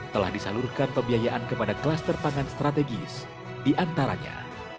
telah disalurkan pembiayaan kepada kluster pangan strategis diantaranya